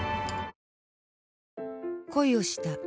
恋をした。